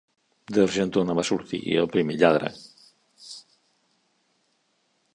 D'Argentona va sortir el primer lladre.